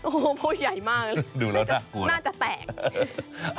โอ้โฮพูดใหญ่มากน่าจะแตก